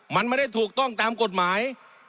มันไม่ได้ถูกต้องตามกฎหมาย